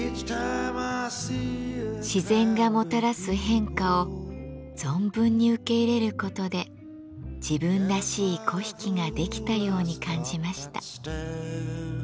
自然がもたらす変化を存分に受け入れる事で自分らしい粉引が出来たように感じました。